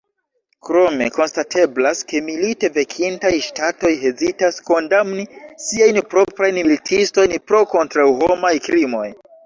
Krome konstateblas, ke milite venkintaj ŝtatoj hezitas kondamni siajn proprajn militistojn pro kontraŭhomaj krimoj.